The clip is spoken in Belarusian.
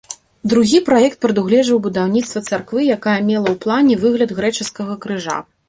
Другі праект прадугледжваў будаўніцтва царквы, якая мела ў плане выгляд грэчаскага крыжа.